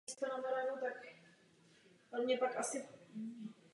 Svůj odkaz zvýšil o dalších tisíc korun po účasti na jednom takovém pohřbu.